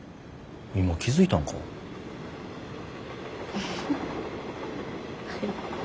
フフフはい。